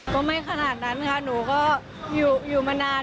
ก็ไม่ขนาดนั้นค่ะหนูก็อยู่มานาน